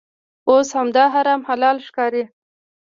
اوس همدا حرام حلال ښکاري.